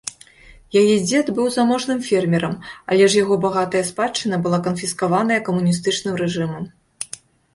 Яе дзед быў заможным фермерам, але ж яго багатая спадчына была канфіскаваная камуністычным рэжымам.